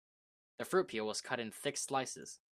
The fruit peel was cut in thick slices.